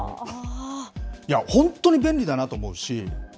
本当に便利だなと思うし。